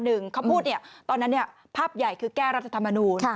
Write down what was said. เขาพูดเนี่ยตอนนั้นภาพใหญ่คือแก้รัฐธรรมนูล